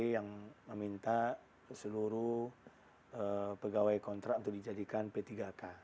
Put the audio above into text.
yang meminta seluruh pegawai kontrak untuk dijadikan p tiga k